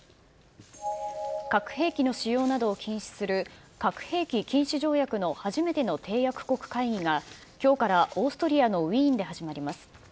核兵器の使用などを禁止する、核兵器禁止条約の初めての締約国会議が、きょうからオーストリアのウィーンで始まります。